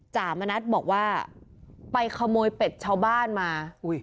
มณัฐบอกว่าไปขโมยเป็ดชาวบ้านมา